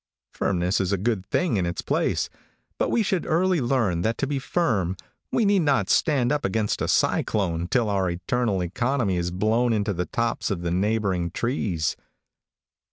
Firmness is a good thing in its place, but we should early learn that to be firm, we need not stand up against a cyclone till our eternal economy is blown into the tops of the neighboring trees.